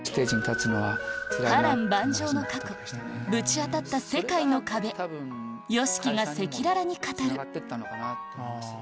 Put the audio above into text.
波瀾万丈の過去ぶち当たった世界の壁ＹＯＳＨＩＫＩが赤裸々に語る